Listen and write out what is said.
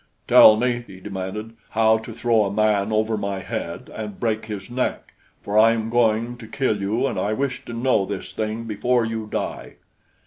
"Tell me," he demanded, "how to throw a man over my head and break his neck, for I am going to kill you, and I wish to know this thing before you die."